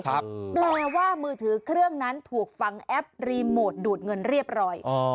แปลว่ามือถือเครื่องนั้นถูกฟังแอปรีโมทดูดเงินเรียบร้อย